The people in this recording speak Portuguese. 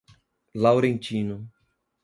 Laurentino